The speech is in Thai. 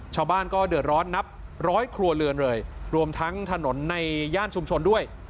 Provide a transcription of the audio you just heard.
ชาวบ้านก็เดือดร้อนนับร้อยครัวเรือนเลยรวมทั้งถนนในย่านชุมชนด้วย